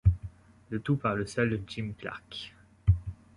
Le tout par le seul Jim Clark.